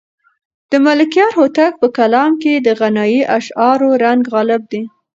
د ملکیار هوتک په کلام کې د غنایي اشعارو رنګ غالب دی.